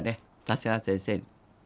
長谷川先生に。